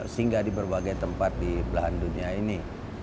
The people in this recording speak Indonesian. singgah di berbagai tempat di belahan dunia ini